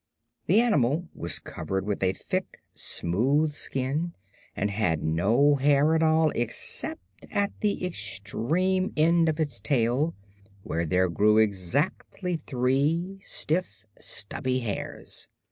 The animal was covered with a thick, smooth skin and had no hair at all except at the extreme end of its tail, where there grew exactly three stiff, stubby hairs.